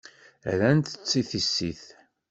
Rrant-tt i tissit.